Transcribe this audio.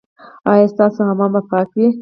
ایا ستاسو حمام به پاک وي؟